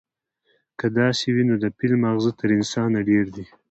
که داسې وي، نو د فيل ماغزه تر انسانه ډېر وي،